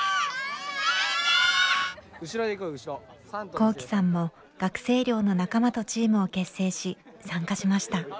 昂志さんも学生寮の仲間とチームを結成し参加しました。